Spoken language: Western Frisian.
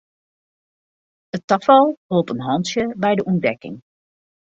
It tafal holp in hantsje by de ûntdekking.